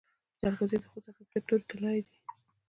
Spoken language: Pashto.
جلغوزي د خوست او پکتیا تور طلایی دي